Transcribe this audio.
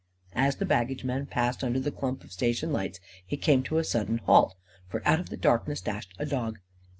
As the baggageman passed under the clump of station lights, he came to a sudden halt. For out of the darkness dashed a dog.